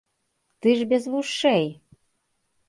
Ты ж без вушэй!